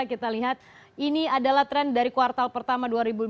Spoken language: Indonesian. kita lihat ini adalah tren dari kuartal pertama dua ribu lima belas